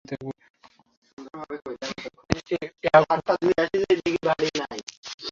তোমাকে অনুসরণ করেই আমি থাকবো।